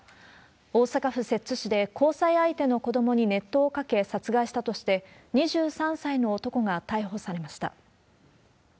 大阪府摂津市で、交際相手の子どもに熱湯をかけ殺害したとして、２３歳の男が逮捕されました。